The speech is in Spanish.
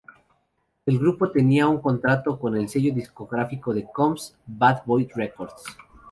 El grupo tenía un contrato con el sello discográfico de Combs, Bad Boy Records.